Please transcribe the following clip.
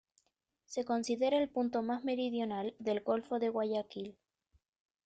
Se considera el punto más meridional del golfo de Guayaquil.